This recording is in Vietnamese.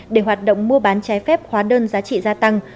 để hoạt động mua bán trái phép hóa đơn giá trị gia tăng